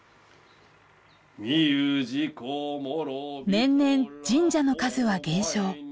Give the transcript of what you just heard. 年々神社の数は減少。